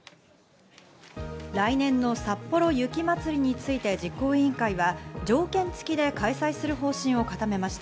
来年のさっぽろ雪まつりについて、実行委員会は条件付きで開催する方針を固めました。